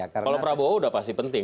kalau prabowo udah pasti penting